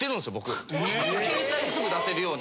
携帯ですぐ出せるように。